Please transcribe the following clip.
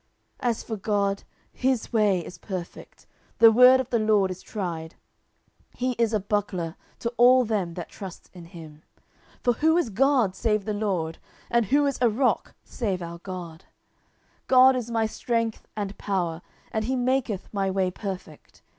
10:022:031 As for God, his way is perfect; the word of the LORD is tried: he is a buckler to all them that trust in him. 10:022:032 For who is God, save the LORD? and who is a rock, save our God? 10:022:033 God is my strength and power: and he maketh my way perfect.